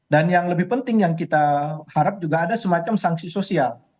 dan yang lebih penting yang kita harap juga ada semacam sanksi sosial